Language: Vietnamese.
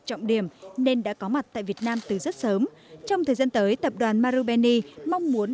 trọng điểm nên đã có mặt tại việt nam từ rất sớm trong thời gian tới tập đoàn marubeni mong muốn